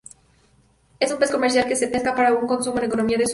Es un pez comercial que se pesca para su consumo en economías de subsistencia.